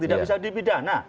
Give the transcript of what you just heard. tidak bisa dipidana